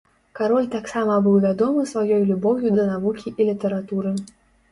Кароль таксама быў вядомы сваёй любоўю да навукі і літаратуры.